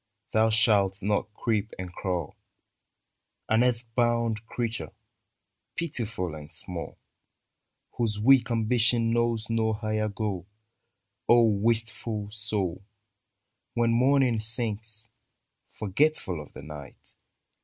Thou shalt not creep and crawl — An earth bound creature, pitiful and small, Whose weak ambition knows no higher goal ! O wistful soul. When morning sings, Forgetful of the night.